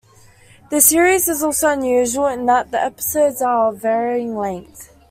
The series is also unusual in that the episodes are of varying length.